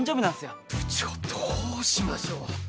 部長どうしましょう。